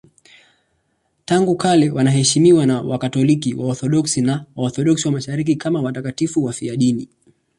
Tangu kale wanaheshimiwa na Wakatoliki, Waorthodoksi na Waorthodoksi wa Mashariki kama watakatifu wafiadini.